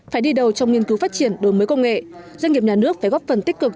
phải đi đầu trong nghiên cứu phát triển đổi mới công nghệ doanh nghiệp nhà nước phải góp phần tích cực